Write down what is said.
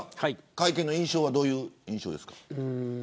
会見はどういう印象ですか。